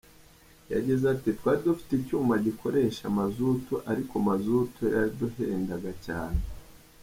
Yagize ati “Twari dufite icyuma gikoresha mazutu ariko mazutu yaraduhendaga cyane.